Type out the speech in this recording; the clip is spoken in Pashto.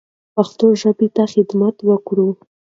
پښتو ژبې ته خدمت وکړو.